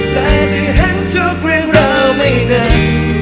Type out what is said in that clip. และจะเห็นทุกเรื่องราวไม่เดินได้